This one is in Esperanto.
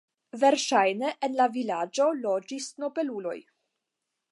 Verŝajne en la vilaĝo loĝis nobeluloj.